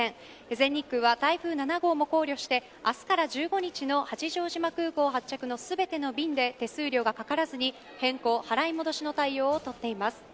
全日空は、台風７号も考慮して明日から１５日の八丈島空港発着の全ての便で手数料がかからずに変更、払い戻しの対応を取っています。